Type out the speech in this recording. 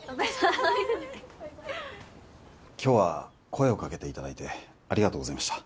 今日は声をかけて頂いてありがとうございました。